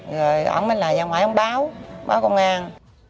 rồi ông mới lại ra ngoài ông báo báo công an